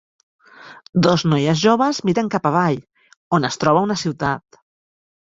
Dos noies joves miren cap avall, on es troba una ciutat.